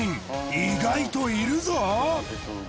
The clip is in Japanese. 意外といるぞ！